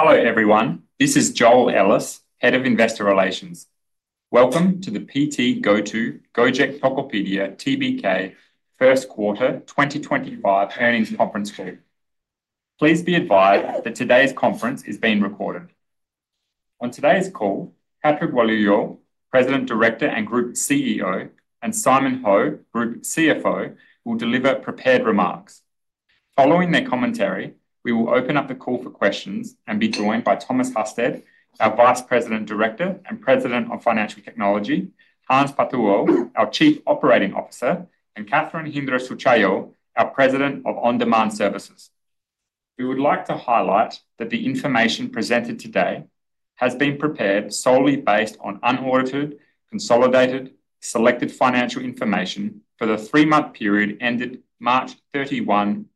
Hello everyone, this is Joel Ellis, Head of Investor Relations. Welcome to the PT GoTo Gojek Tokopedia Tbk First Quarter 2025 Earnings Conference Call. Please be advised that today's conference is being recorded. On today's call, Patrick Walujo, President Director and Group CEO, and Simon Ho, Group CFO, will deliver prepared remarks. Following their commentary, we will open up the call for questions and be joined by Thomas Husted, our Vice President Director and President of Financial Technology; Hans Patuwo, our Chief Operating Officer; and Catherine Hindra Sutjahyo, our President of On-Demand Services. We would like to highlight that the information presented today has been prepared solely based on unaudited, consolidated, selected financial information for the three-month period ended March 31,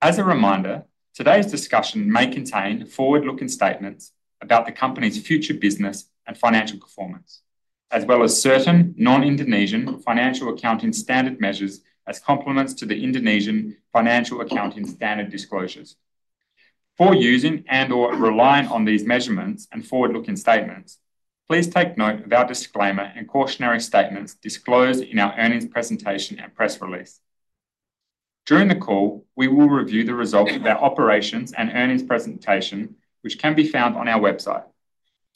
2025. As a reminder, today's discussion may contain forward-looking statements about the company's future business and financial performance, as well as certain non-Indonesian financial accounting standard measures as complements to the Indonesian financial accounting standard disclosures. For using and/or relying on these measurements and forward-looking statements, please take note of our disclaimer and cautionary statements disclosed in our earnings presentation and press release. During the call, we will review the results of our operations and earnings presentation, which can be found on our website.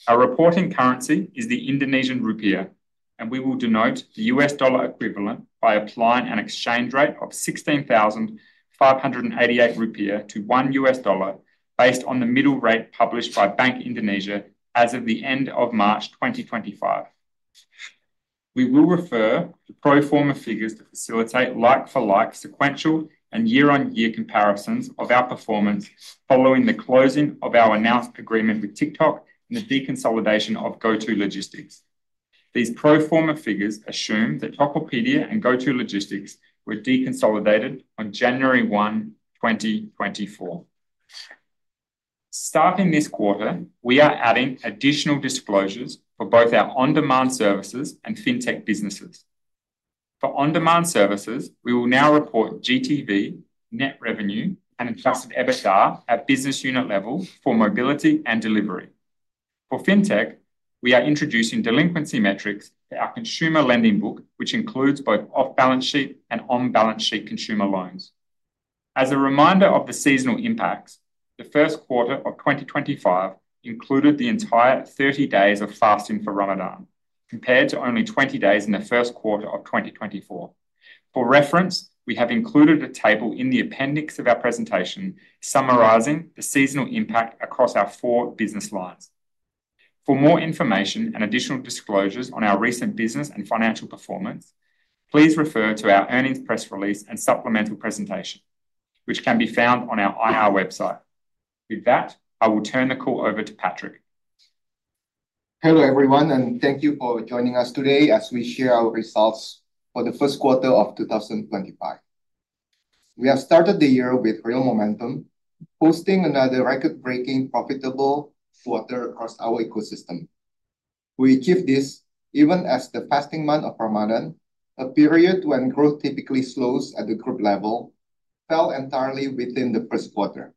Our reporting currency is the Indonesian Rupiah, and we will denote the U.S. dollar equivalent by applying an exchange rate of 16,588 rupiah to $1 based on the middle rate published by Bank Indonesia as of the end of March 2025. We will refer to pro forma figures to facilitate like-for-like sequential and year-on-year comparisons of our performance following the closing of our announced agreement with TikTok and the deconsolidation of GoTo Logistics. These pro forma figures assume that Tokopedia and GoTo Logistics were deconsolidated on January 1, 2024. Starting this quarter, we are adding additional disclosures for both our on-demand services and fintech businesses. For on-demand services, we will now report GTV, net revenue, and adjusted EBITDA at business unit level for mobility and delivery. For fintech, we are introducing delinquency metrics to our consumer lending book, which includes both off-balance sheet and on-balance sheet consumer loans. As a reminder of the seasonal impacts, the first quarter of 2025 included the entire 30 days of fasting for Ramadan, compared to only 20 days in the first quarter of 2024. For reference, we have included a table in the appendix of our presentation summarizing the seasonal impact across our four business lines. For more information and additional disclosures on our recent business and financial performance, please refer to our earnings press release and supplemental presentation, which can be found on our IR website. With that, I will turn the call over to Patrick. Hello everyone, and thank you for joining us today as we share our results for the first quarter of 2025. We have started the year with real momentum, boasting another record-breaking profitable quarter across our ecosystem. We achieved this, even as the fasting month of Ramadan, a period when growth typically slows at the group level, fell entirely within the first quarter.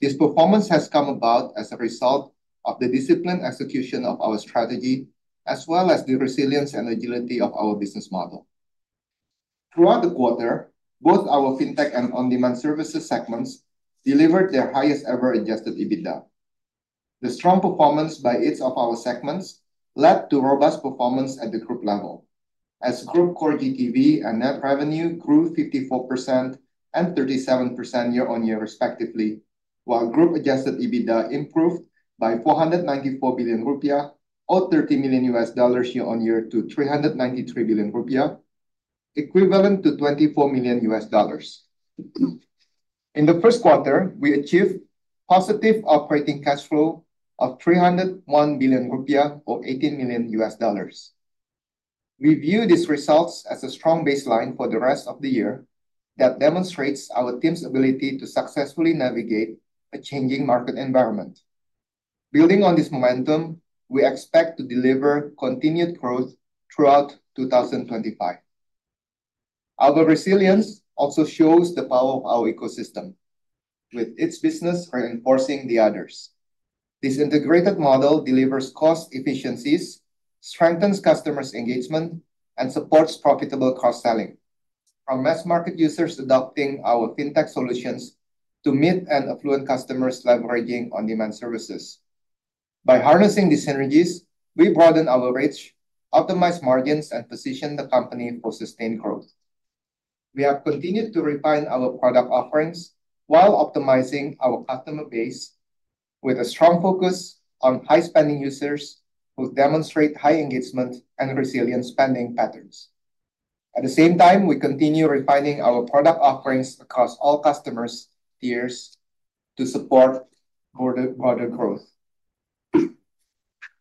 This performance has come about as a result of the disciplined execution of our strategy, as well as the resilience and agility of our business model. Throughout the quarter, both our fintech and on-demand services segments delivered their highest-ever adjusted EBITDA. The strong performance by each of our segments led to robust performance at the group level, as group core GTV and net revenue grew 54% and 37% year-on-year respectively, while group adjusted EBITDA improved by 494 billion rupiah, or $30 million year-on-year, to 393 billion rupiah, equivalent to $24 million. In the first quarter, we achieved positive operating cash flow of 301 billion rupiah, or $18 million. We view these results as a strong baseline for the rest of the year that demonstrates our team's ability to successfully navigate a changing market environment. Building on this momentum, we expect to deliver continued growth throughout 2025. Our resilience also shows the power of our ecosystem, with its business reinforcing the others. This integrated model delivers cost efficiencies, strengthens customers' engagement, and supports profitable cross-selling, from mass market users adopting our fintech solutions to mid and affluent customers leveraging on-demand services. By harnessing these synergies, we broaden our reach, optimize margins, and position the company for sustained growth. We have continued to refine our product offerings while optimizing our customer base with a strong focus on high-spending users who demonstrate high engagement and resilient spending patterns. At the same time, we continue refining our product offerings across all customer tiers to support broader growth.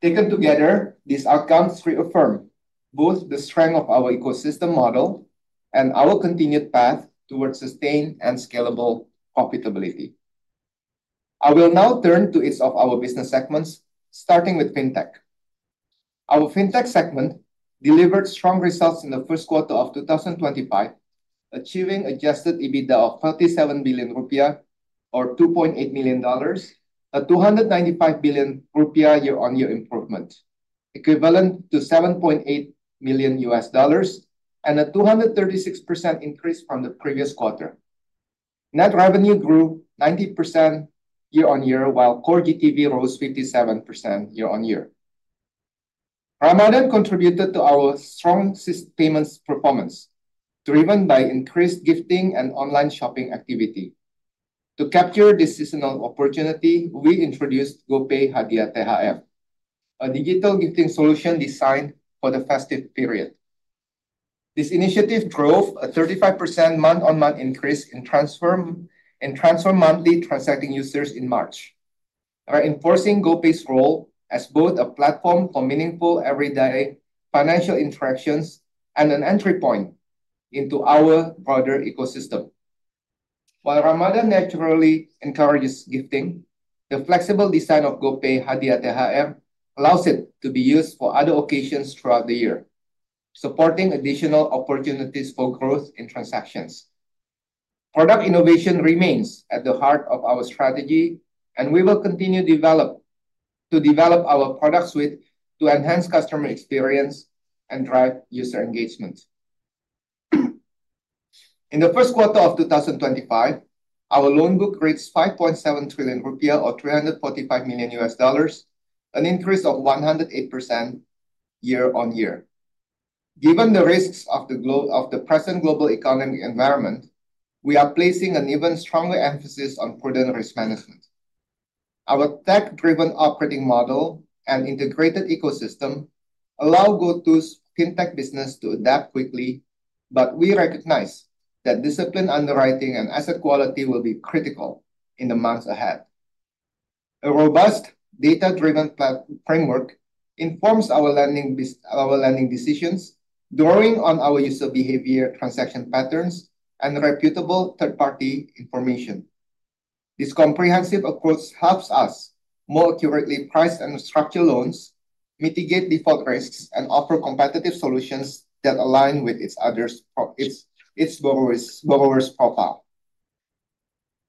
Taken together, these outcomes reaffirm both the strength of our ecosystem model and our continued path towards sustained and scalable profitability. I will now turn to each of our business segments, starting with fintech. Our fintech segment delivered strong results in the first quarter of 2025, achieving adjusted EBITDA of 37 billion rupiah, or $2.8 million, a 295 billion rupiah year-on-year improvement equivalent to $7.8 million, and a 236% increase from the previous quarter. Net revenue grew 90% year-on-year, while core GTV rose 57% year-on-year. Ramadan contributed to our strong payments performance, driven by increased gifting and online shopping activity. To capture this seasonal opportunity, we introduced GoPay Hadiah THR, a digital gifting solution designed for the festive period. This initiative drove a 35% month-on-month increase in transfer monthly transacting users in March, reinforcing GoPay's role as both a platform for meaningful everyday financial interactions and an entry point into our broader ecosystem. While Ramadan naturally encourages gifting, the flexible design of GoPay Hadiah THR allows it to be used for other occasions throughout the year, supporting additional opportunities for growth in transactions. Product innovation remains at the heart of our strategy, and we will continue to develop our product suite to enhance customer experience and drive user engagement. In the first quarter of 2025, our loan book reached 5.7 trillion rupiah, or $345 million, an increase of 108% year-on-year. Given the risks of the present global economic environment, we are placing an even stronger emphasis on prudent risk management. Our tech-driven operating model and integrated ecosystem allow GoTo's fintech business to adapt quickly, but we recognize that disciplined underwriting and asset quality will be critical in the months ahead. A robust data-driven framework informs our lending decisions, drawing on our user behavior, transaction patterns, and reputable third-party information. This comprehensive approach helps us more accurately price and structure loans, mitigate default risks, and offer competitive solutions that align with its borrower's profile.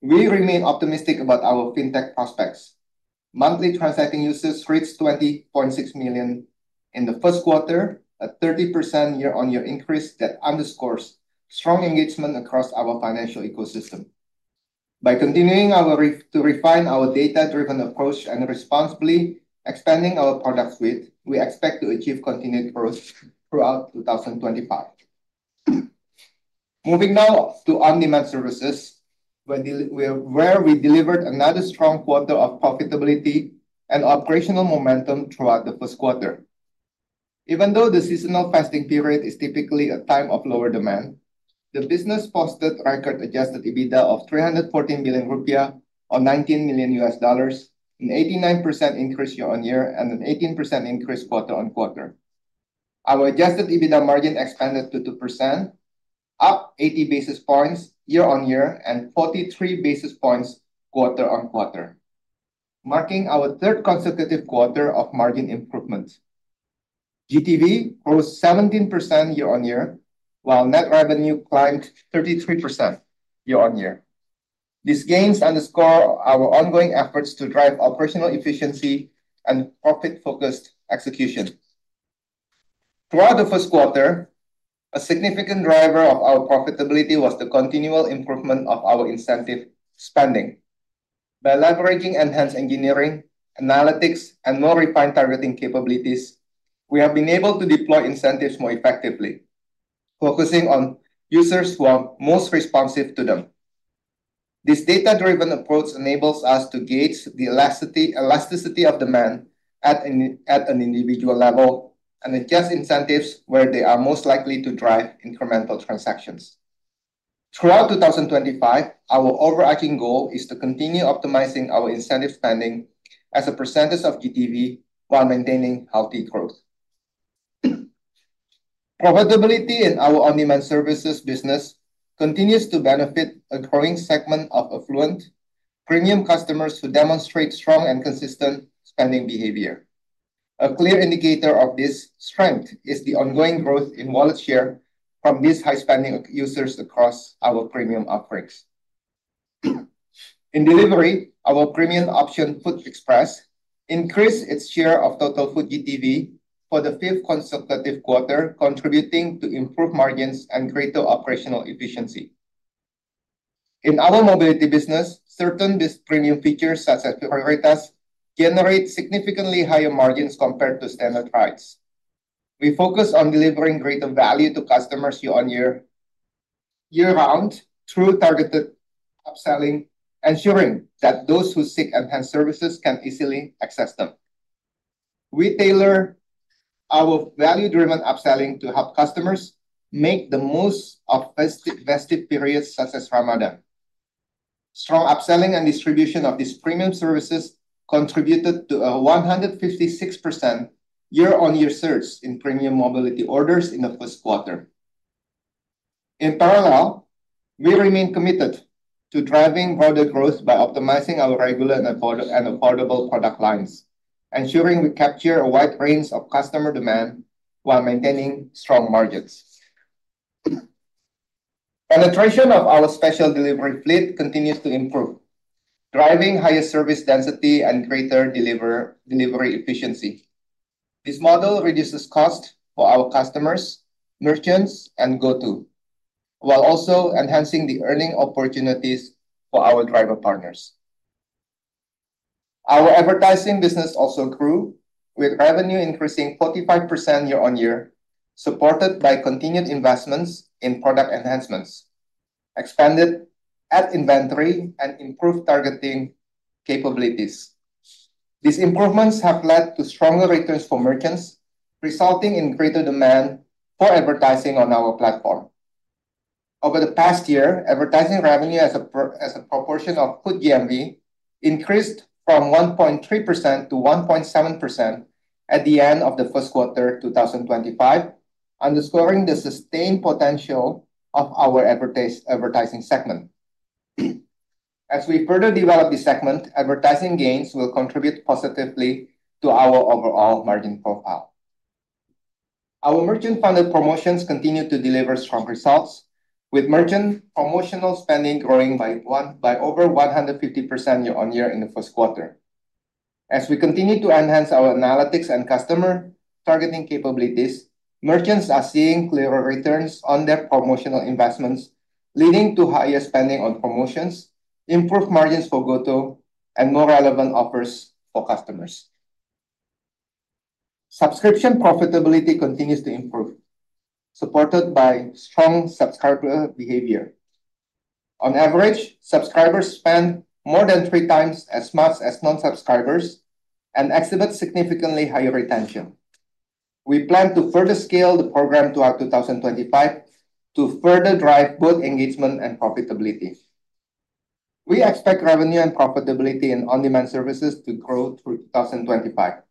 We remain optimistic about our fintech prospects. Monthly transacting users reached 20.6 million in the first quarter, a 30% year-on-year increase that underscores strong engagement across our financial ecosystem. By continuing to refine our data-driven approach and responsibly expanding our product suite, we expect to achieve continued growth throughout 2025. Moving now to on-demand services, where we delivered another strong quarter of profitability and operational momentum throughout the first quarter. Even though the seasonal fasting period is typically a time of lower demand, the business posted record adjusted EBITDA of 314 million rupiah, or $19 million, an 89% increase year-on-year and an 18% increase quarter-on-quarter. Our adjusted EBITDA margin expanded to 2%, up 80 basis points year-on-year and 43 basis points quarter-on-quarter, marking our third consecutive quarter of margin improvement. GTV rose 17% year-on-year, while net revenue climbed 33% year-on-year. These gains underscore our ongoing efforts to drive operational efficiency and profit-focused execution. Throughout the first quarter, a significant driver of our profitability was the continual improvement of our incentive spending. By leveraging enhanced engineering, analytics, and more refined targeting capabilities, we have been able to deploy incentives more effectively, focusing on users who are most responsive to them. This data-driven approach enables us to gauge the elasticity of demand at an individual level and adjust incentives where they are most likely to drive incremental transactions. Throughout 2025, our overarching goal is to continue optimizing our incentive spending as a percentage of GTV while maintaining healthy growth. Profitability in our on-demand services business continues to benefit a growing segment of affluent premium customers who demonstrate strong and consistent spending behavior. A clear indicator of this strength is the ongoing growth in wallet share from these high-spending users across our premium offerings. In delivery, our premium option, Food Express, increased its share of total food GTV for the fifth consecutive quarter, contributing to improved margins and greater operational efficiency. In our mobility business, certain premium features such as Prioritas generate significantly higher margins compared to standard prices. We focus on delivering greater value to customers year-on-year, year-round, through targeted upselling, ensuring that those who seek enhanced services can easily access them. We tailor our value-driven upselling to help customers make the most of festive periods such as Ramadan. Strong upselling and distribution of these premium services contributed to a 156% year-on-year surge in premium mobility orders in the first quarter. In parallel, we remain committed to driving broader growth by optimizing our regular and affordable product lines, ensuring we capture a wide range of customer demand while maintaining strong margins. Penetration of our special delivery fleet continues to improve, driving higher service density and greater delivery efficiency. This model reduces costs for our customers, merchants, and GoTo, while also enhancing the earning opportunities for our driver partners. Our advertising business also grew, with revenue increasing 45% year-on-year, supported by continued investments in product enhancements, expanded ad inventory, and improved targeting capabilities. These improvements have led to stronger returns for merchants, resulting in greater demand for advertising on our platform. Over the past year, advertising revenue as a proportion of food GMV increased from 1.3%-1.7% at the end of the first quarter 2025, underscoring the sustained potential of our advertising segment. As we further develop this segment, advertising gains will contribute positively to our overall margin profile. Our merchant-funded promotions continue to deliver strong results, with merchant promotional spending growing by over 150% year-on-year in the first quarter. As we continue to enhance our analytics and customer targeting capabilities, merchants are seeing clearer returns on their promotional investments, leading to higher spending on promotions, improved margins for GoTo, and more relevant offers for customers. Subscription profitability continues to improve, supported by strong subscriber behavior. On average, subscribers spend more than three times as much as non-subscribers and exhibit significantly higher retention. We plan to further scale the program throughout 2025 to further drive both engagement and profitability. We expect revenue and profitability in on-demand services to grow through 2025.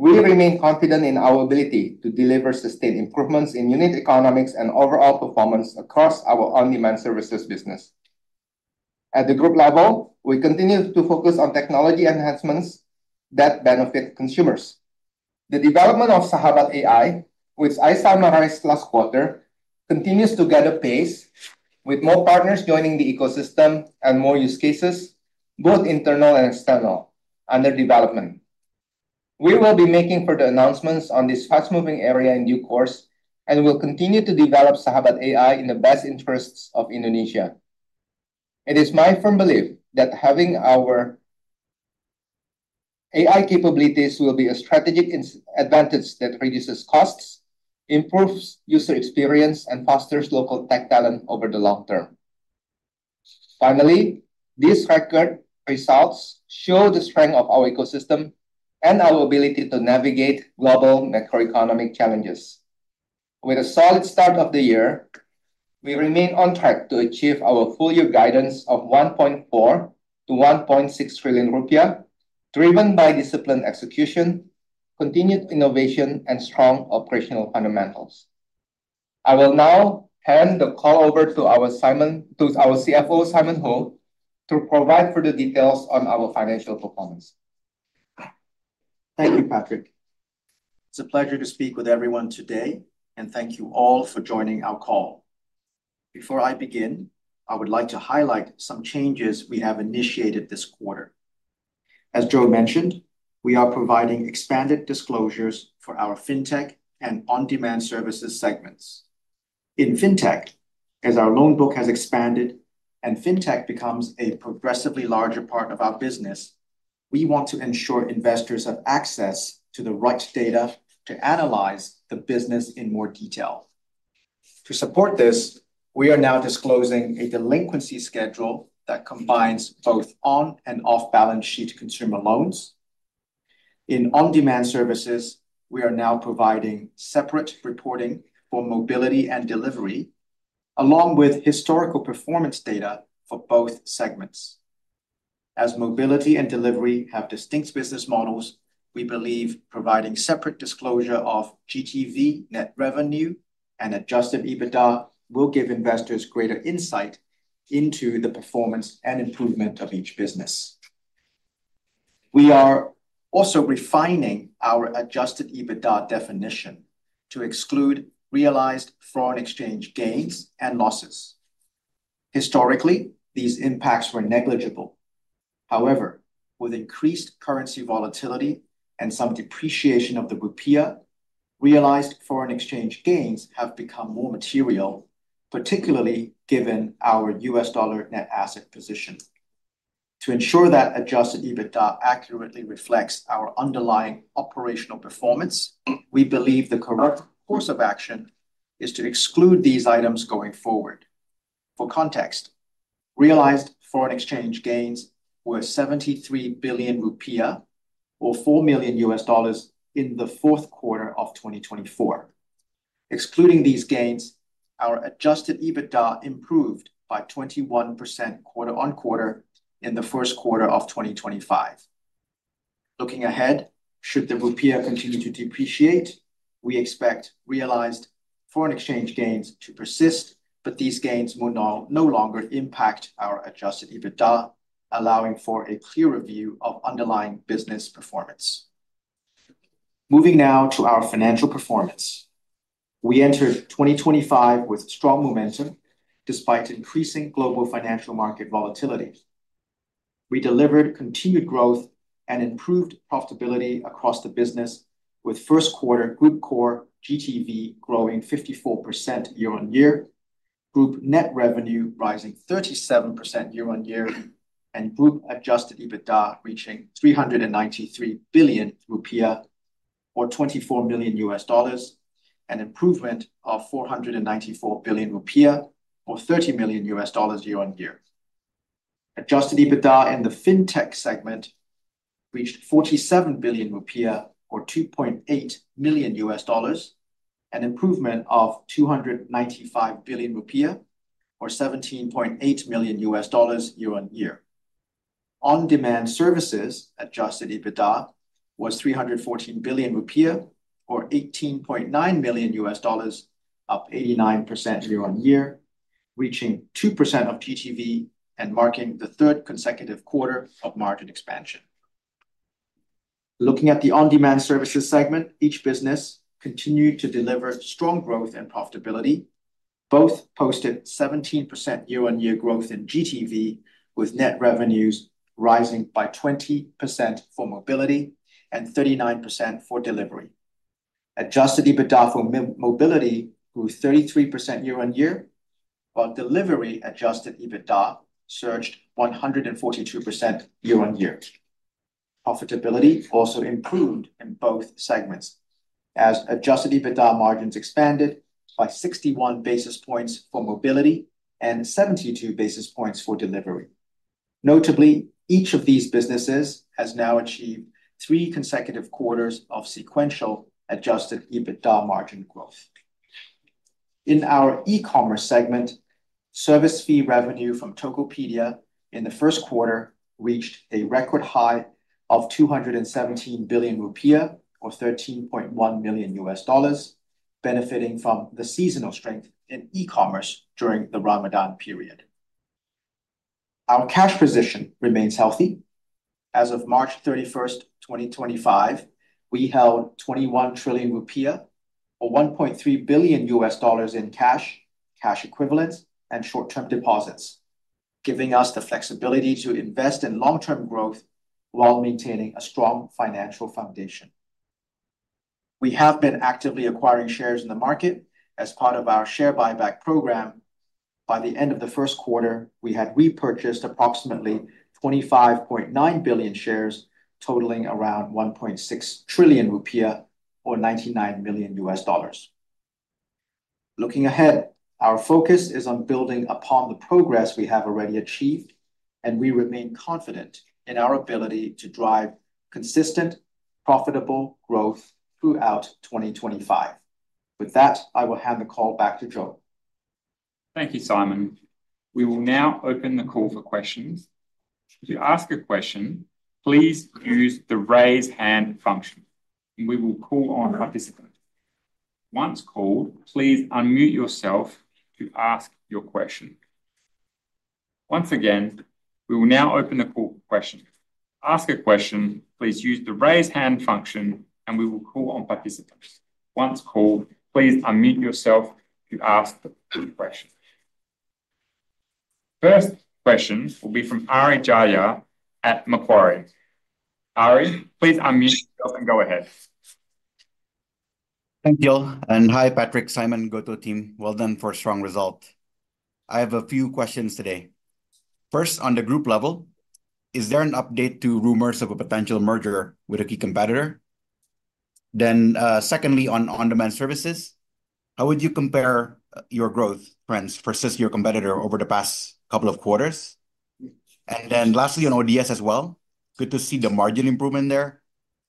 We remain confident in our ability to deliver sustained improvements in unit economics and overall performance across our on-demand services business. At the group level, we continue to focus on technology enhancements that benefit consumers. The development of Sahabat AI, which I summarized last quarter, continues to gather pace, with more partners joining the ecosystem and more use cases, both internal and external, under development. We will be making further announcements on this fast-moving area in due course and will continue to develop Sahabat AI in the best interests of Indonesia. It is my firm belief that having our AI capabilities will be a strategic advantage that reduces costs, improves user experience, and fosters local tech talent over the long term. Finally, these record results show the strength of our ecosystem and our ability to navigate global macroeconomic challenges. With a solid start of the year, we remain on track to achieve our full-year guidance of 1.4 trillion-1.6 trillion rupiah, driven by disciplined execution, continued innovation, and strong operational fundamentals. I will now hand the call over to our CFO, Simon Ho, to provide further details on our financial performance. Thank you, Patrick. It's a pleasure to speak with everyone today, and thank you all for joining our call. Before I begin, I would like to highlight some changes we have initiated this quarter. As Joel mentioned, we are providing expanded disclosures for our fintech and on-demand services segments. In fintech, as our loan book has expanded and fintech becomes a progressively larger part of our business, we want to ensure investors have access to the right data to analyze the business in more detail. To support this, we are now disclosing a delinquency schedule that combines both on and off-balance sheet consumer loans. In on-demand services, we are now providing separate reporting for mobility and delivery, along with historical performance data for both segments. As mobility and delivery have distinct business models, we believe providing separate disclosure of GTV, net revenue, and adjusted EBITDA will give investors greater insight into the performance and improvement of each business. We are also refining our adjusted EBITDA definition to exclude realized foreign exchange gains and losses. Historically, these impacts were negligible. However, with increased currency volatility and some depreciation of the rupiah, realized foreign exchange gains have become more material, particularly given our U.S. dollar net asset position. To ensure that adjusted EBITDA accurately reflects our underlying operational performance, we believe the correct course of action is to exclude these items going forward. For context, realized foreign exchange gains were 73 billion rupiah, or $4 million, in the fourth quarter of 2024. Excluding these gains, our adjusted EBITDA improved by 21% quarter-on-quarter in the first quarter of 2025. Looking ahead, should the rupiah continue to depreciate, we expect realized foreign exchange gains to persist, but these gains will no longer impact our adjusted EBITDA, allowing for a clearer view of underlying business performance. Moving now to our financial performance. We entered 2025 with strong momentum despite increasing global financial market volatility. We delivered continued growth and improved profitability across the business, with first quarter Group Core GTV growing 54% year-on-year, Group Net Revenue rising 37% year-on-year, and Group Adjusted EBITDA reaching 393 billion rupiah, or $24 million, an improvement of 494 billion rupiah, or $30 million year-on-year. Adjusted EBITDA in the fintech segment reached 47 billion rupiah, or $2.8 million, an improvement of 295 billion rupiah, or $17.8 million year-on-year. On-demand services Adjusted EBITDA was 314 billion rupiah, or $18.9 million, up 89% year-on-year, reaching 2% of GTV and marking the third consecutive quarter of margin expansion. Looking at the on-demand services segment, each business continued to deliver strong growth and profitability. Both posted 17% year-on-year growth in GTV, with Net Revenues rising by 20% for mobility and 39% for delivery. Adjusted EBITDA for mobility grew 33% year-on-year, while delivery adjusted EBITDA surged 142% year-on-year. Profitability also improved in both segments as adjusted EBITDA margins expanded by 61 basis points for mobility and 72 basis points for delivery. Notably, each of these businesses has now achieved three consecutive quarters of sequential adjusted EBITDA margin growth. In our e-commerce segment, service fee revenue from Tokopedia in the first quarter reached a record high of 217 billion rupiah, or $13.1 million, benefiting from the seasonal strength in e-commerce during the Ramadan period. Our cash position remains healthy. As of March 31, 2025, we held 21 trillion rupiah, or $1.3 billion in cash, cash equivalents, and short-term deposits, giving us the flexibility to invest in long-term growth while maintaining a strong financial foundation. We have been actively acquiring shares in the market as part of our share buyback program. By the end of the first quarter, we had repurchased approximately 25.9 billion shares, totaling around 1.6 trillion rupiah, or $99 million. Looking ahead, our focus is on building upon the progress we have already achieved, and we remain confident in our ability to drive consistent, profitable growth throughout 2025. With that, I will hand the call back to Joel. Thank you, Simon. We will now open the call for questions. If you ask a question, please use the raise hand function, and we will call on participants. Once called, please unmute yourself to ask your question. Once again, we will now open the call for questions. To ask a question, please use the raise hand function, and we will call on participants. Once called, please unmute yourself to ask the question. First question will be from Ari Jahja at Macquarie. Ari, please unmute yourself and go ahead. Thank you. And hi, Patrick, Simon, GoTo team. Well done for a strong result. I have a few questions today. First, on the group level, is there an update to rumors of a potential merger with a key competitor? Then secondly, on on-demand services, how would you compare your growth trends versus your competitor over the past couple of quarters? And then lastly, on ODS as well, good to see the margin improvement there.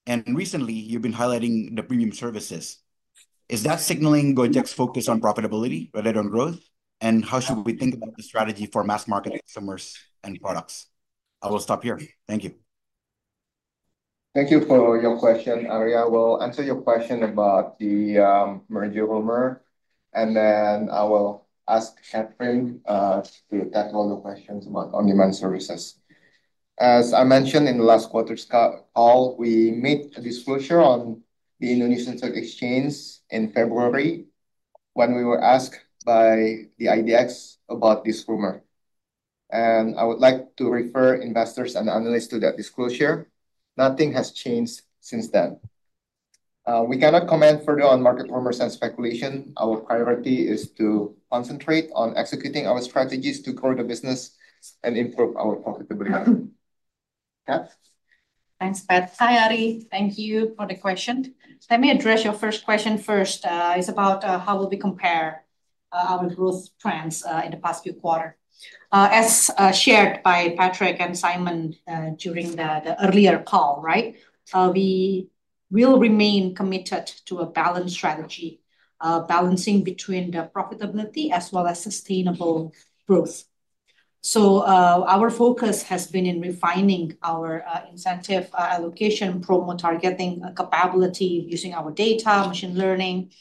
And recently, you've been highlighting the premium services. Is that signaling GoTo's focus on profitability rather than growth? And how should we think about the strategy for mass marketing summers and products? I will stop here. Thank you. Thank you for your question, Ari. I will answer your question about the merger rumor, and then I will ask Catherine to tackle the questions about on-demand services. As I mentioned in the last quarter call, we made a disclosure on the Indonesia Stock Exchange in February when we were asked by the IDX about this rumor. I would like to refer investors and analysts to that disclosure. Nothing has changed since then. We cannot comment further on market rumors and speculation. Our priority is to concentrate on executing our strategies to grow the business and improve our profitability. Thanks, Pat. Hi, Ari. Thank you for the question. Let me address your first question first. It's about how will we compare our growth trends in the past few quarters, as shared by Patrick and Simon during the earlier call, right? We will remain committed to a balanced strategy, balancing between the profitability as well as sustainable growth. Our focus has been in refining our incentive allocation promo, targeting capability using our data, machine learning,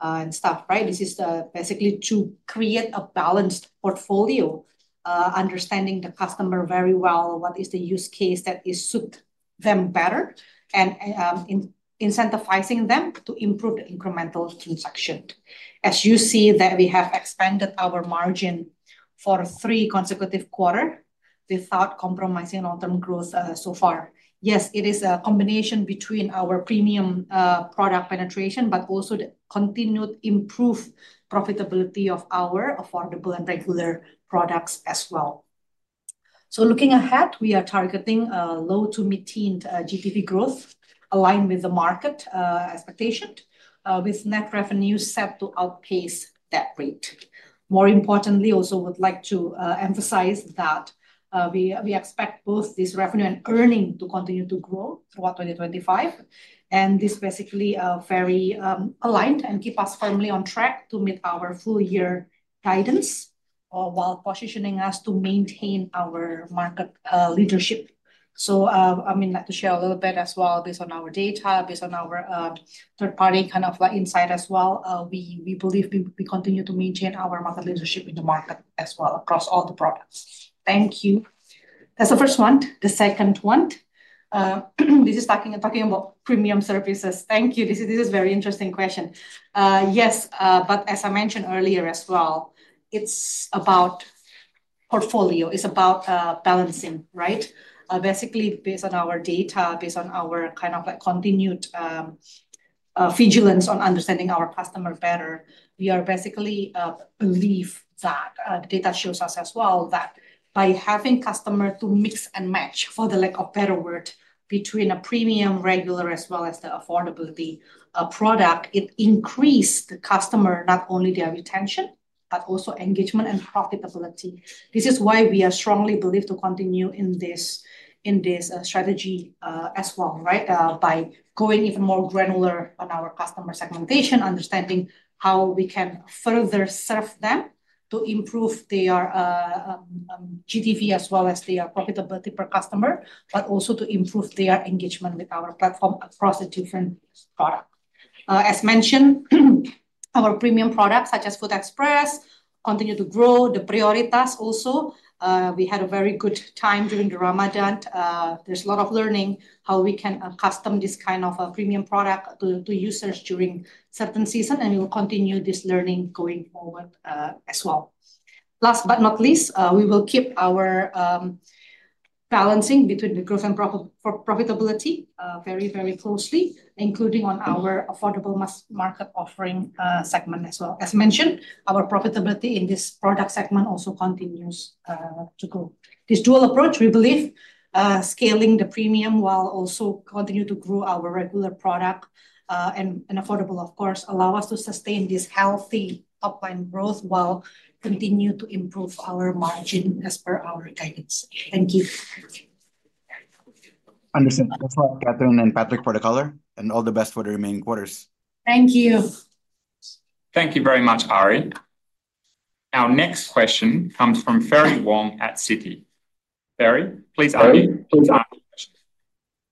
and stuff, right? This is basically to create a balanced portfolio, understanding the customer very well, what is the use case that suits them better, and incentivizing them to improve the incremental transaction. As you see, we have expanded our margin for three consecutive quarters without compromising long-term growth so far. Yes, it is a combination between our premium product penetration, but also the continued improved profitability of our affordable and regular products as well. Looking ahead, we are targeting a low to mid-teens GTV growth aligned with the market expectation, with net revenue set to outpace that rate. More importantly, I also would like to emphasize that we expect both this revenue and earning to continue to grow throughout 2025. This basically is very aligned and keeps us firmly on track to meet our full-year guidance while positioning us to maintain our market leadership. I mean, like to share a little bit as well based on our data, based on our third-party kind of insight as well. We believe we continue to maintain our market leadership in the market as well across all the products. Thank you. That is the first one. The second one, this is talking about premium services. Thank you. This is a very interesting question. Yes, but as I mentioned earlier as well, it is about portfolio. It is about balancing, right? Basically, based on our data, based on our kind of continued vigilance on understanding our customer better, we basically believe that the data shows us as well that by having customers to mix and match, for the lack of a better word, between a premium, regular as well as the affordability product, it increased the customer not only their retention, but also engagement and profitability. This is why we strongly believe to continue in this strategy as well, right? By going even more granular on our customer segmentation, understanding how we can further serve them to improve their GTV as well as their profitability per customer, but also to improve their engagement with our platform across the different products. As mentioned, our premium products such as Food Express continue to grow. The Prioritas also, we had a very good time during the Ramadan. There's a lot of learning how we can customize this kind of premium product to users during certain seasons, and we will continue this learning going forward as well. Last but not least, we will keep our balancing between the growth and profitability very, very closely, including on our affordable market offering segment as well. As mentioned, our profitability in this product segment also continues to grow. This dual approach, we believe, scaling the premium while also continuing to grow our regular product and affordable, of course, allows us to sustain this healthy topline growth while continuing to improve our margin as per our guidance. Thank you. Understood. Thanks a lot, Catherine and Patrick for the color, and all the best for the remaining quarters. Thank you. Thank you very much, Ari. Our next question comes from Ferry Wong at Citi. Ferry, please ask your question.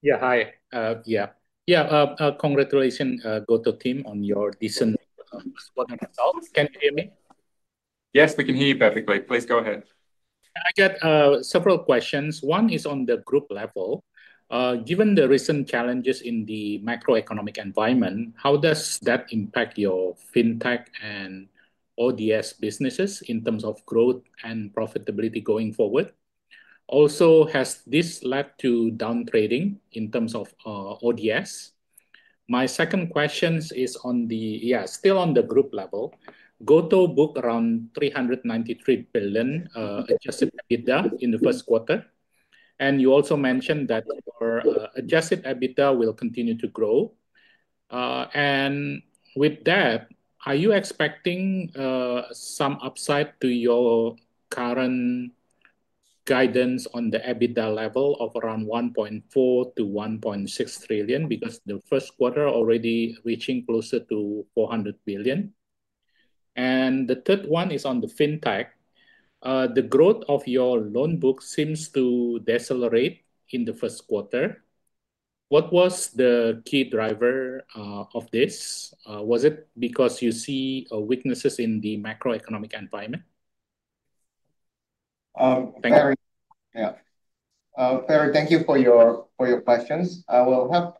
Yeah, hi. Yeah. Yeah, congratulations, GoTo team, on your decent result. Can you hear me? Yes, we can hear you perfectly. Please go ahead. I get several questions. One is on the group level. Given the recent challenges in the macroeconomic environment, how does that impact your fintech and ODS businesses in terms of growth and profitability going forward? Also, has this led to downtrading in terms of ODS? My second question is on the, yeah, still on the group level. GoTo booked around 393 billion adjusted EBITDA in the first quarter. You also mentioned that your adjusted EBITDA will continue to grow. With that, are you expecting some upside to your current guidance on the EBITDA level of around 1.4 trillion-1.6 trillion because the first quarter is already reaching closer to 400 billion? The third one is on the fintech. The growth of your loan book seems to decelerate in the first quarter. What was the key driver of this? Was it because you see weaknesses in the macroeconomic environment? Thank you. Yeah. Ferry, thank you for your questions. I will help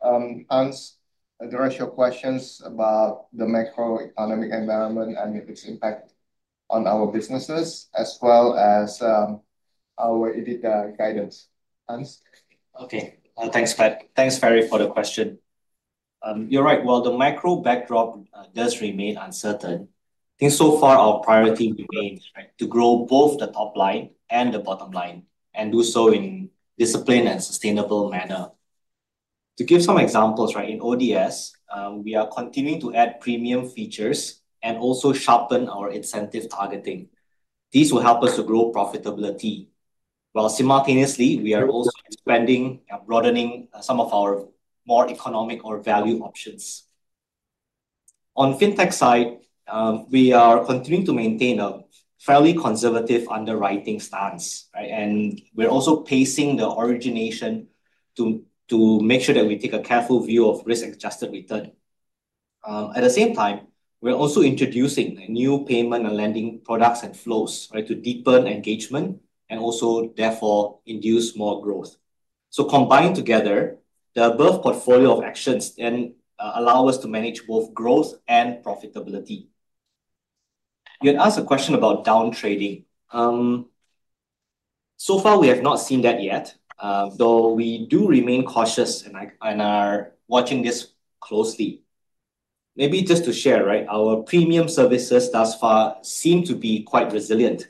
Hans address your questions about the macroeconomic environment and its impact on our businesses as well as our EBITDA guidance. Hans? Okay. Thanks, Pat. Thanks, Ferry, for the question. You're right. While the macro backdrop does remain uncertain, I think so far our priority remains to grow both the top line and the bottom line and do so in a disciplined and sustainable manner. To give some examples, right, in ODS, we are continuing to add premium features and also sharpen our incentive targeting. This will help us to grow profitability. While simultaneously, we are also expanding and broadening some of our more economic or value options. On the fintech side, we are continuing to maintain a fairly conservative underwriting stance, right? We are also pacing the origination to make sure that we take a careful view of risk-adjusted return. At the same time, we are also introducing new payment and lending products and flows to deepen engagement and also therefore induce more growth. Combined together, the above portfolio of actions then allows us to manage both growth and profitability. You had asked a question about downtrading. So far, we have not seen that yet, though we do remain cautious and are watching this closely. Maybe just to share, right, our premium services thus far seem to be quite resilient.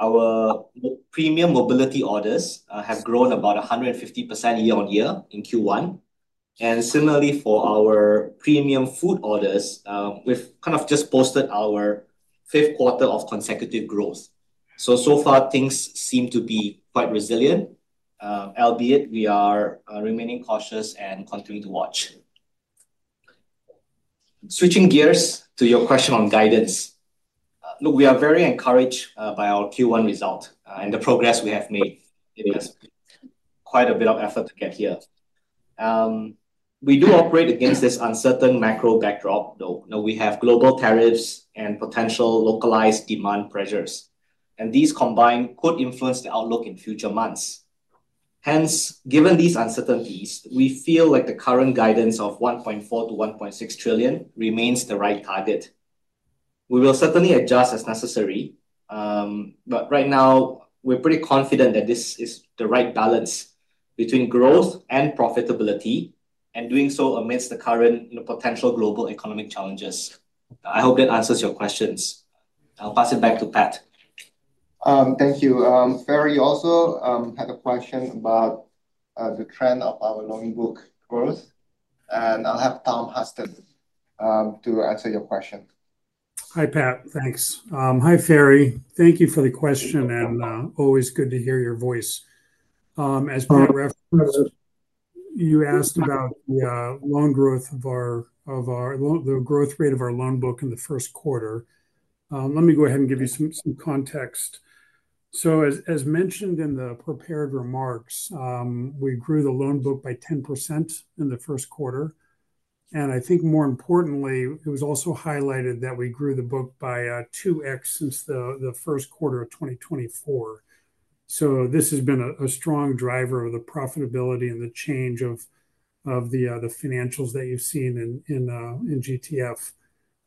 Our premium mobility orders have grown about 150% year on year in Q1. Similarly, for our premium food orders, we have kind of just posted our fifth quarter of consecutive growth. So far, things seem to be quite resilient, albeit we are remaining cautious and continuing to watch. Switching gears to your question on guidance. Look, we are very encouraged by our Q1 result and the progress we have made. It is quite a bit of effort to get here. We do operate against this uncertain macro backdrop, though. We have global tariffs and potential localized demand pressures. These combined could influence the outlook in future months. Hence, given these uncertainties, we feel like the current guidance of 1.4 trillion-1.6 trillion remains the right target. We will certainly adjust as necessary. Right now, we're pretty confident that this is the right balance between growth and profitability and doing so amidst the current potential global economic challenges. I hope that answers your questions. I'll pass it back to Pat. Thank you. Ferry also had a question about the trend of our loan book growth. I'll have Tom Husted answer your question. Hi, Pat. Thanks. Hi, Ferry. Thank you for the question and always good to hear your voice. As Pat referenced, you asked about the growth rate of our loan book in the first quarter. Let me go ahead and give you some context. As mentioned in the prepared remarks, we grew the loan book by 10% in the first quarter. I think more importantly, it was also highlighted that we grew the book by 2x since the first quarter of 2024. This has been a strong driver of the profitability and the change of the financials that you've seen in GTF.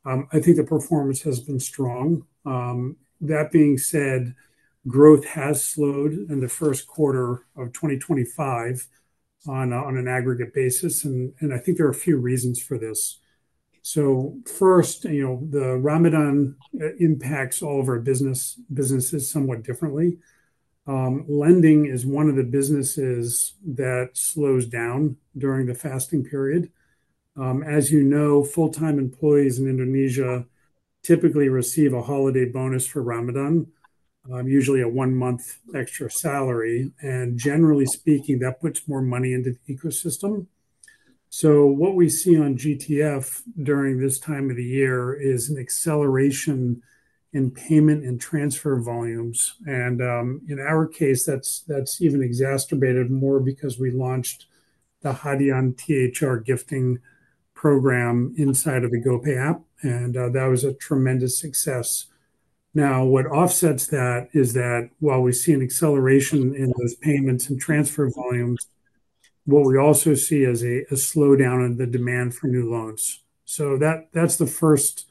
I think the performance has been strong. That being said, growth has slowed in the first quarter of 2025 on an aggregate basis. I think there are a few reasons for this. First, the Ramadan impacts all of our businesses somewhat differently. Lending is one of the businesses that slows down during the fasting period. As you know, full-time employees in Indonesia typically receive a holiday bonus for Ramadan, usually a one-month extra salary. Generally speaking, that puts more money into the ecosystem. What we see on GTV during this time of the year is an acceleration in payment and transfer volumes. In our case, that's even exacerbated more because we launched the GoPay Hadiah THR gifting program inside of the GoPay app. That was a tremendous success. Now, what offsets that is that while we see an acceleration in those payments and transfer volumes, what we also see is a slowdown in the demand for new loans. That is the first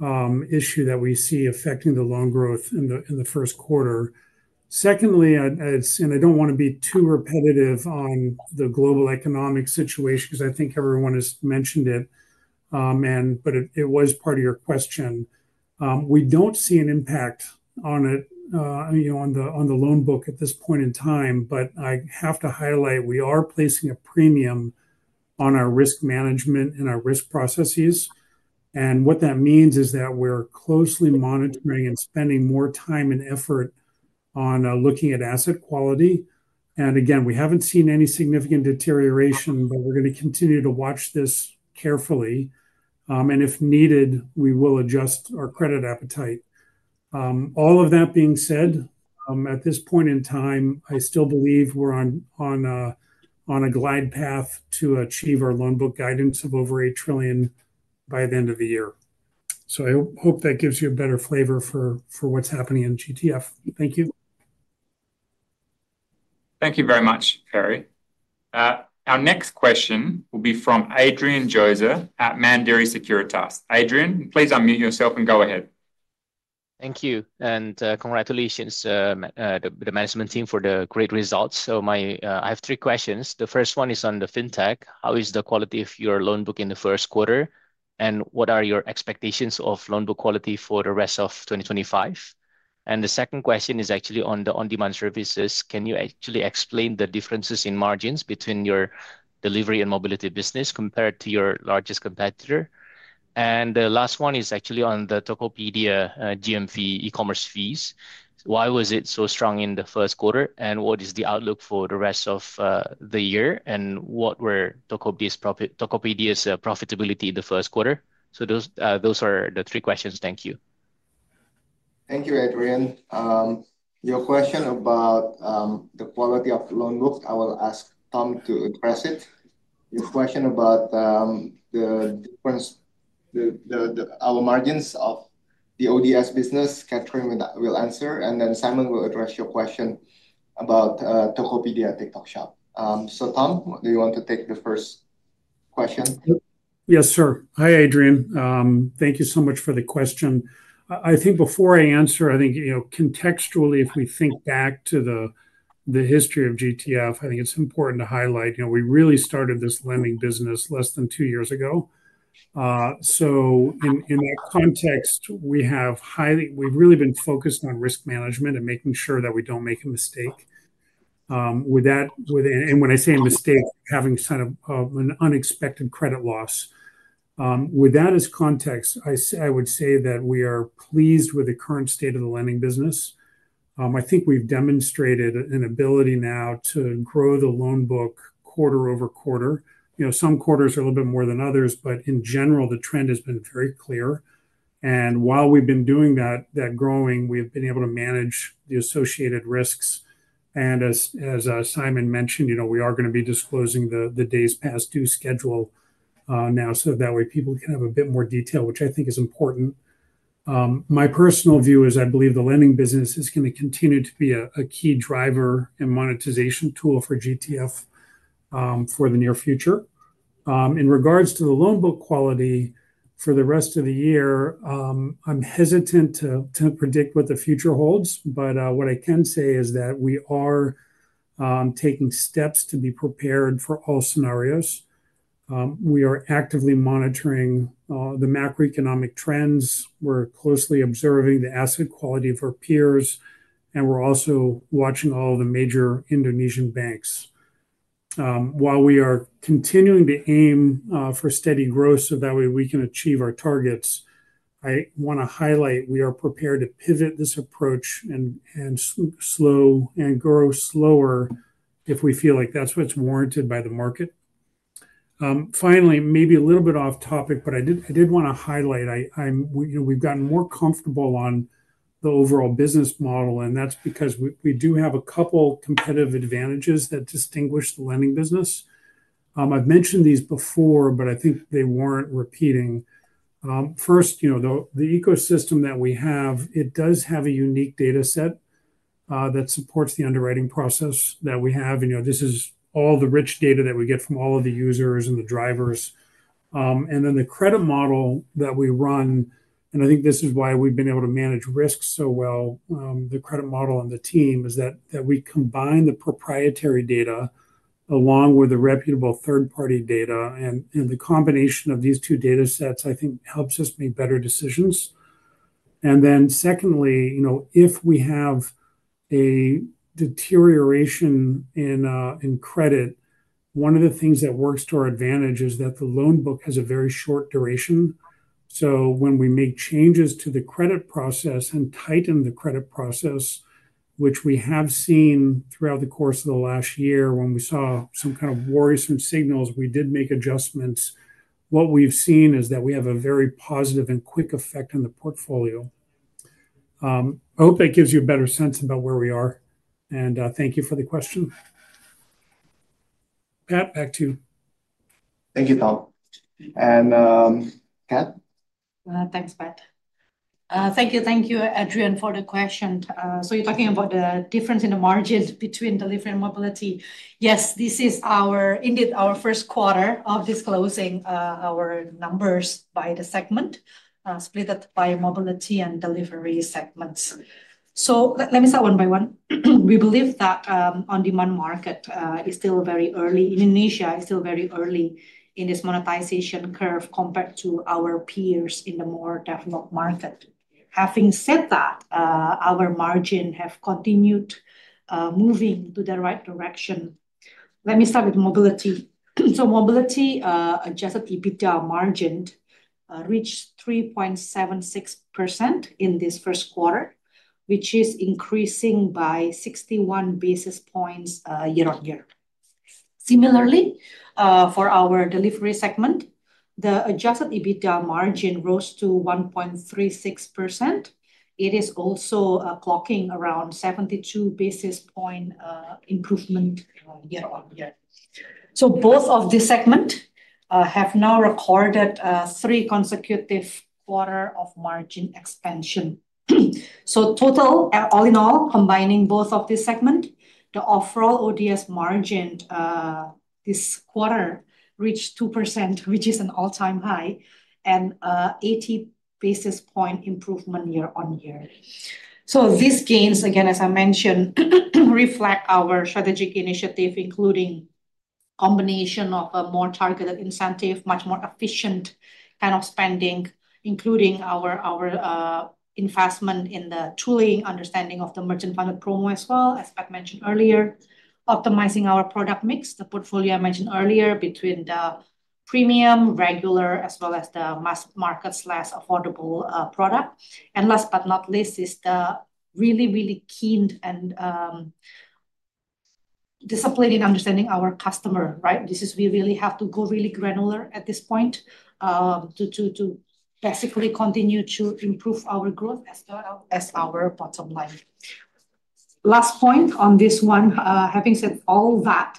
issue that we see affecting the loan growth in the first quarter. Secondly, I do not want to be too repetitive on the global economic situation because I think everyone has mentioned it, but it was part of your question. We do not see an impact on the loan book at this point in time, but I have to highlight we are placing a premium on our risk management and our risk processes. What that means is that we are closely monitoring and spending more time and effort on looking at asset quality. Again, we have not seen any significant deterioration, but we are going to continue to watch this carefully. If needed, we will adjust our credit appetite. All of that being said, at this point in time, I still believe we're on a glide path to achieve our loan book guidance of over 8 trillion by the end of the year. I hope that gives you a better flavor for what's happening in GTF. Thank you. Thank you very much, Ferry. Our next question will be from Adrian Joezer at Mandiri Securitas. Adrian, please unmute yourself and go ahead. Thank you. And congratulations to the management team for the great results. I have three questions. The first one is on the fintech. How is the quality of your loan book in the first quarter? And what are your expectations of loan book quality for the rest of 2025? The second question is actually on the on-demand services. Can you actually explain the differences in margins between your delivery and mobility business compared to your largest competitor? The last one is actually on the Tokopedia GMV e-commerce fees. Why was it so strong in the first quarter? What is the outlook for the rest of the year? What were Tokopedia's profitability in the first quarter? Those are the three questions. Thank you. Thank you, Adrian. Your question about the quality of loan book, I will ask Tom to address it. Your question about our margins of the ODS business, Catherine will answer. Simon will address your question about Tokopedia TikTok Shop. Tom, do you want to take the first question? Yes, sir. Hi, Adrian. Thank you so much for the question. I think before I answer, I think contextually, if we think back to the history of GTF, I think it's important to highlight we really started this lending business less than two years ago. In that context, we have really been focused on risk management and making sure that we don't make a mistake. When I say a mistake, having kind of an unexpected credit loss. With that as context, I would say that we are pleased with the current state of the lending business. I think we've demonstrated an ability now to grow the loan book quarter over quarter. Some quarters are a little bit more than others, but in general, the trend has been very clear. While we've been doing that growing, we've been able to manage the associated risks. As Simon mentioned, we are going to be disclosing the days past due schedule now so that way people can have a bit more detail, which I think is important. My personal view is I believe the lending business is going to continue to be a key driver and monetization tool for GTF for the near future. In regards to the loan book quality for the rest of the year, I'm hesitant to predict what the future holds. What I can say is that we are taking steps to be prepared for all scenarios. We are actively monitoring the macroeconomic trends. We're closely observing the asset quality of our peers. We're also watching all the major Indonesian banks. While we are continuing to aim for steady growth so that way we can achieve our targets, I want to highlight we are prepared to pivot this approach and grow slower if we feel like that's what's warranted by the market. Finally, maybe a little bit off topic, but I did want to highlight we've gotten more comfortable on the overall business model. That's because we do have a couple of competitive advantages that distinguish the lending business. I've mentioned these before, but I think they warrant repeating. First, the ecosystem that we have, it does have a unique dataset that supports the underwriting process that we have. This is all the rich data that we get from all of the users and the drivers. The credit model that we run, and I think this is why we've been able to manage risks so well, the credit model and the team, is that we combine the proprietary data along with the reputable third-party data. The combination of these two datasets, I think, helps us make better decisions. Secondly, if we have a deterioration in credit, one of the things that works to our advantage is that the loan book has a very short duration. When we make changes to the credit process and tighten the credit process, which we have seen throughout the course of the last year when we saw some kind of worrisome signals, we did make adjustments. What we've seen is that we have a very positive and quick effect on the portfolio. I hope that gives you a better sense about where we are. Thank you for the question. Pat, back to you. Thank you, Tom. Kat? Thanks, Pat. Thank you, Adrian, for the question. You are talking about the difference in the margins between delivery and mobility. Yes, this is indeed our first quarter of disclosing our numbers by the segment, split by mobility and delivery segments. Let me start one by one. We believe that the on-demand market is still very early. Indonesia is still very early in this monetization curve compared to our peers in the more developed market. Having said that, our margin has continued moving in the right direction. Let me start with mobility. Mobility adjusted EBITDA margin reached 3.76% in this first quarter, which is increasing by 61 basis points year on year. Similarly, for our delivery segment, the adjusted EBITDA margin rose to 1.36%. It is also clocking around 72 basis point improvement year on year. Both of these segments have now recorded three consecutive quarters of margin expansion. All in all, combining both of these segments, the overall ODS margin this quarter reached 2%, which is an all-time high, and 80 basis point improvement year on year. These gains, again, as I mentioned, reflect our strategic initiative, including a combination of a more targeted incentive, much more efficient kind of spending, including our investment in the tooling, understanding of the merchant-funded promo as well, as Pat mentioned earlier, optimizing our product mix, the portfolio I mentioned earlier between the premium, regular, as well as the mass market/affordable product. Last but not least, is the really, really keen and disciplined in understanding our customer. We really have to go really granular at this point to basically continue to improve our growth as well as our bottom line. Last point on this one. Having said all that,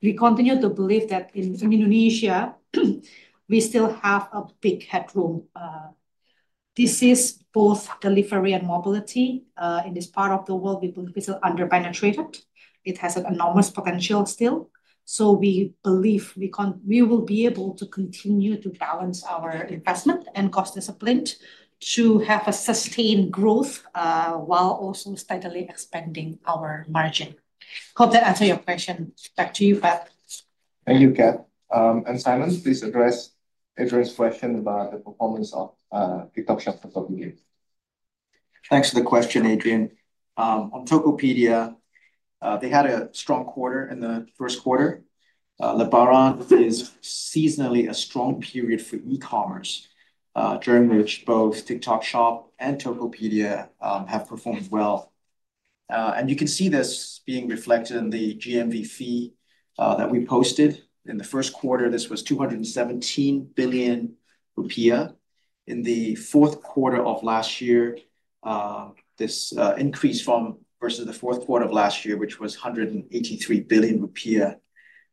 we continue to believe that in Indonesia, we still have a big headroom. This is both delivery and mobility. In this part of the world, we believe it's under-penetrated. It has an enormous potential still. We believe we will be able to continue to balance our investment and cost discipline to have a sustained growth while also steadily expanding our margin. Hope that answered your question. Back to you, Pat. Thank you, Kat. And Simon, please address Adrian's question about the performance of TikTok Shop for Tokopedia. Thanks for the question, Adrian. On Tokopedia, they had a strong quarter in the first quarter. Lebaran is seasonally a strong period for e-commerce, during which both TikTok Shop and Tokopedia have performed well. You can see this being reflected in the GMV fee that we posted. In the first quarter, this was 217 billion rupiah. In the fourth quarter of last year, this increased from versus the fourth quarter of last year, which was 183 billion rupiah.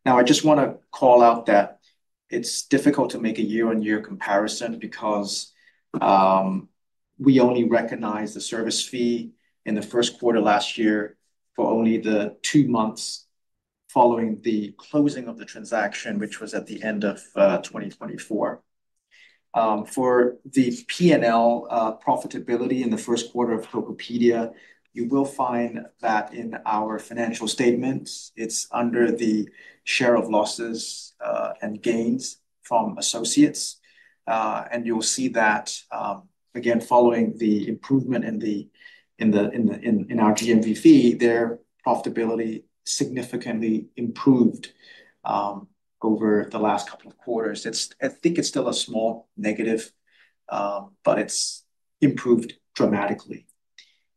I just want to call out that it's difficult to make a year-on-year comparison because we only recognize the service fee in the first quarter last year for only the two months following the closing of the transaction, which was at the end of 2024. For the P&L profitability in the first quarter of Tokopedia, you will find that in our financial statements, it's under the share of losses and gains from associates. You'll see that, again, following the improvement in our GMV fee, their profitability significantly improved over the last couple of quarters. I think it's still a small negative, but it's improved dramatically.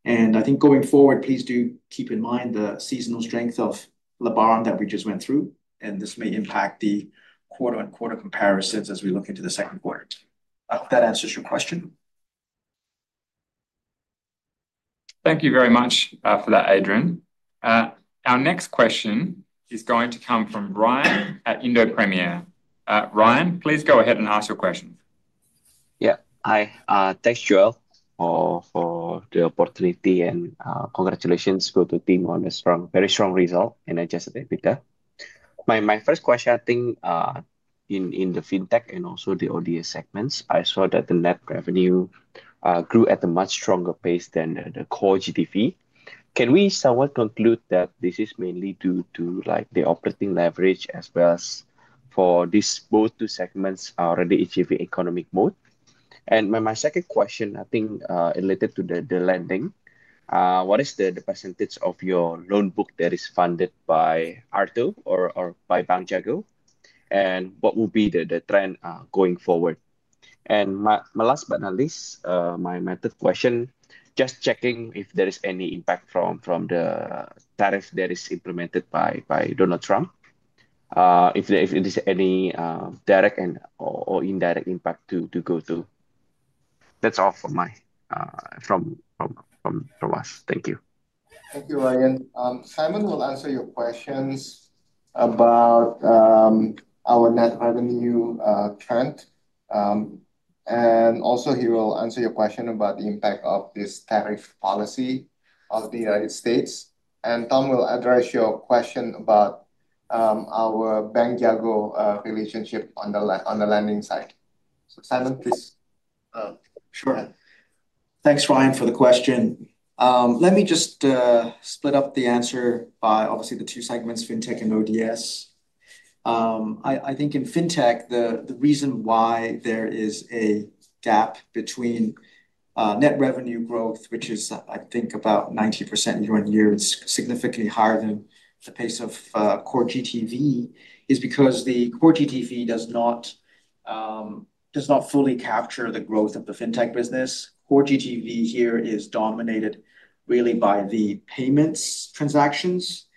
I think going forward, please do keep in mind the seasonal strength of Lebaran that we just went through. This may impact the quarter-on-quarter comparisons as we look into the second quarter. I hope that answers your question. Thank you very much for that, Adrian. Our next question is going to come from Ryan at Indo Premier. Ryan, please go ahead and ask your question. Yeah. Hi. Thanks, Joel, for the opportunity. Congratulations to the team on a very strong result in adjusted EBITDA. My first question, I think in the fintech and also the ODS segments, I saw that the net revenue grew at a much stronger pace than the core GTV. Can we somewhat conclude that this is mainly due to the operating leverage as well as for these both two segments already achieving economic growth? My second question, I think related to the lending, what is the percentage of your loan book that is funded by ARTO or by Bank Jago? What will be the trend going forward? Last but not least, my method question, just checking if there is any impact from the tariff that is implemented by Donald Trump, if there is any direct or indirect impact to GoTo. That's all from us. Thank you. Thank you, Ryan. Simon will answer your questions about our net revenue trend. He will also answer your question about the impact of this tariff policy of the United States. Tom will address your question about our Bank Jago relationship on the lending side. Simon, please. Sure. Thanks, Ryan, for the question. Let me just split up the answer by, obviously, the two segments, fintech and ODS. I think in fintech, the reason why there is a gap between net revenue growth, which is, I think, about 90% year on year, it's significantly higher than the pace of core GTV, is because the core GTV does not fully capture the growth of the fintech business. Core GTV here is dominated really by the payments transactions.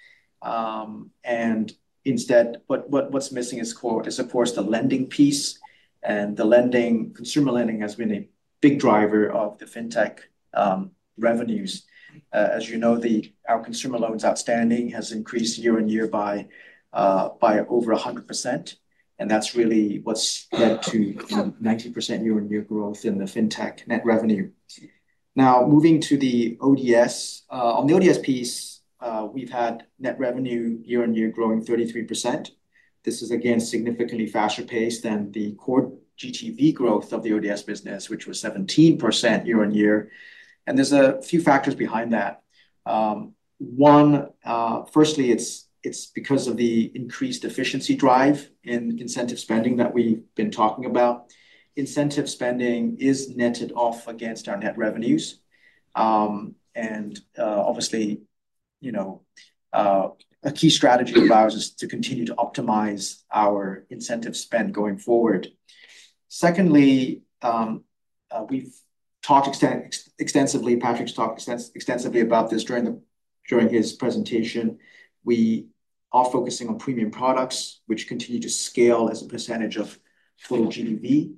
Instead, what's missing is, of course, the lending piece. Consumer lending has been a big driver of the fintech revenues. As you know, our consumer loans outstanding has increased year on year by over 100%. That's really what's led to 90% year on year growth in the fintech net revenue. Now, moving to the ODS, on the ODS piece, we've had net revenue year on year growing 33%. This is, again, significantly faster pace than the core GTV growth of the ODS business, which was 17% year on year. There are a few factors behind that. Firstly, it's because of the increased efficiency drive in incentive spending that we've been talking about. Incentive spending is netted off against our net revenues. Obviously, a key strategy of ours is to continue to optimize our incentive spend going forward. Secondly, we've talked extensively, Patrick's talked extensively about this during his presentation. We are focusing on premium products, which continue to scale as a percentage of total GTV.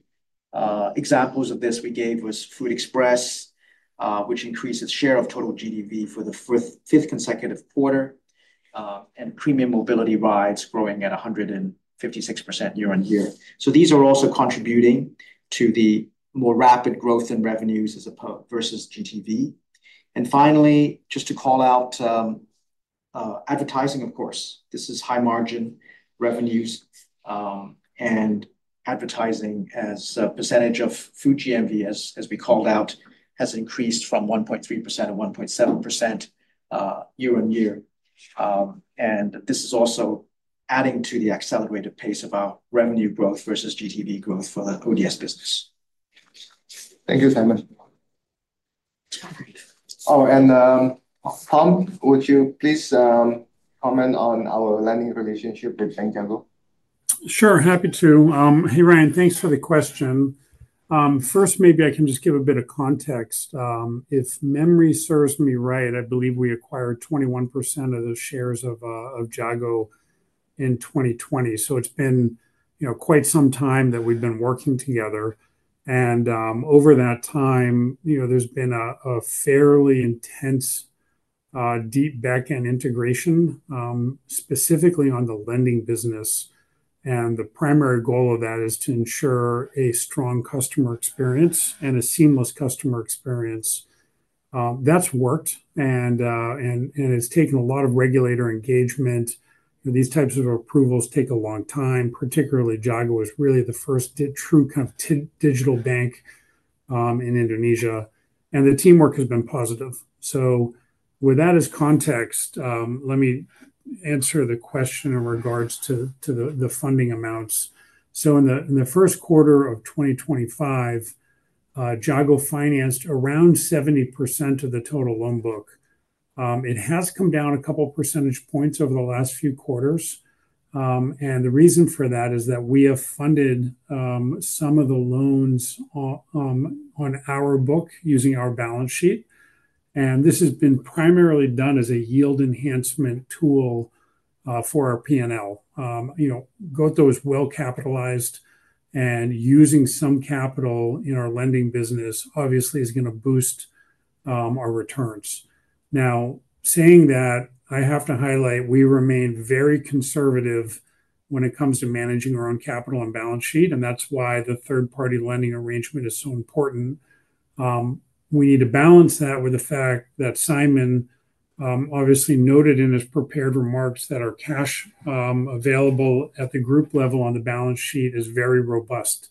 Examples of this we gave was Food Express, which increased its share of total GTV for the fifth consecutive quarter, and premium mobility rides growing at 156% year on year. These are also contributing to the more rapid growth in revenues versus GTV. Finally, just to call out advertising, of course. This is high margin revenues. Advertising, as a percentage of food GMV, as we called out, has increased from 1.3%-1.7% year on year. This is also adding to the accelerated pace of our revenue growth versus GTV growth for the ODS business. Thank you, Simon. Oh, and Tom, would you please comment on our lending relationship with Bank Jago? Sure. Happy to. Hey, Ryan, thanks for the question. First, maybe I can just give a bit of context. If memory serves me right, I believe we acquired 21% of the shares of Jago in 2020. It has been quite some time that we've been working together. Over that time, there's been a fairly intense, deep backend integration, specifically on the lending business. The primary goal of that is to ensure a strong customer experience and a seamless customer experience. That's worked. It's taken a lot of regulator engagement. These types of approvals take a long time. Particularly, Jago was really the first true kind of digital bank in Indonesia. The teamwork has been positive. With that as context, let me answer the question in regards to the funding amounts. In the first quarter of 2025, Jago financed around 70% of the total loan book. It has come down a couple of percentage points over the last few quarters. The reason for that is that we have funded some of the loans on our book using our balance sheet. This has been primarily done as a yield enhancement tool for our P&L. GoTo is well capitalized, and using some capital in our lending business, obviously, is going to boost our returns. Now, saying that, I have to highlight we remain very conservative when it comes to managing our own capital and balance sheet. That is why the third-party lending arrangement is so important. We need to balance that with the fact that Simon obviously noted in his prepared remarks that our cash available at the group level on the balance sheet is very robust.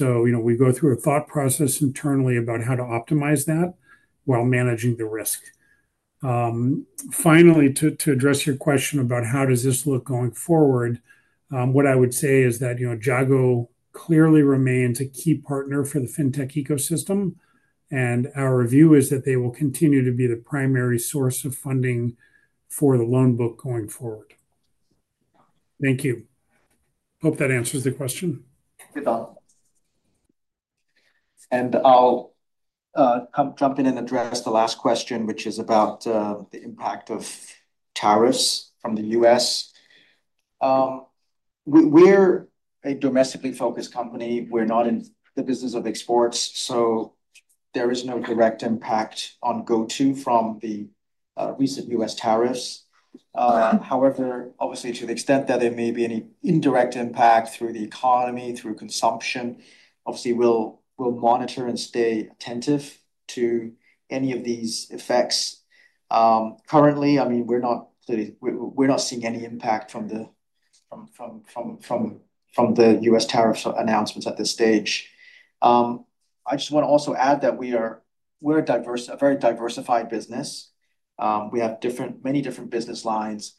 We go through a thought process internally about how to optimize that while managing the risk. Finally, to address your question about how does this look going forward, what I would say is that Jago clearly remains a key partner for the fintech ecosystem. Our view is that they will continue to be the primary source of funding for the loan book going forward. Thank you. Hope that answers the question. Good thought. I'll jump in and address the last question, which is about the impact of tariffs from the U.S. We're a domestically focused company. We're not in the business of exports. There is no direct impact on GoTo from the recent U.S. tariffs. However, obviously, to the extent that there may be any indirect impact through the economy, through consumption, we'll monitor and stay attentive to any of these effects. Currently, I mean, we're not seeing any impact from the U.S. tariffs announcements at this stage. I just want to also add that we're a very diversified business. We have many different business lines.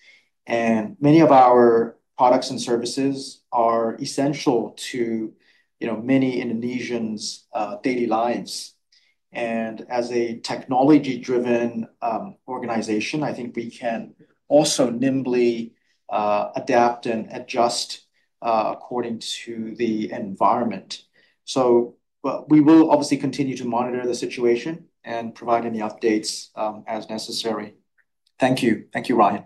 Many of our products and services are essential to many Indonesians' daily lives. As a technology-driven organization, I think we can also nimbly adapt and adjust according to the environment. We will obviously continue to monitor the situation and provide any updates as necessary. Thank you. Thank you, Ryan.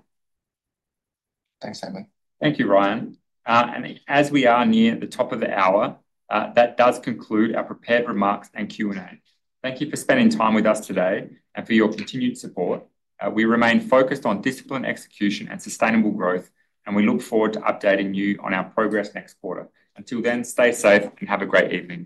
Thanks, Simon. Thank you, Ryan. As we are near the top of the hour, that does conclude our prepared remarks and Q&A. Thank you for spending time with us today and for your continued support. We remain focused on discipline execution and sustainable growth. We look forward to updating you on our progress next quarter. Until then, stay safe and have a great evening.